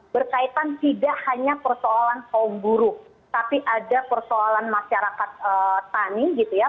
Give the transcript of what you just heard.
berkaitan tidak hanya persoalan kaum buruh tapi ada persoalan masyarakat tani gitu ya